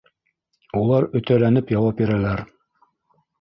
Улар өтәләнеп яуап бирәләр.